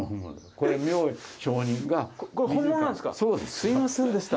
これ本物なんですか？